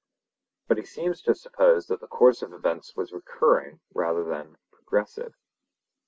But he seems to have supposed that the course of events was recurring rather than progressive.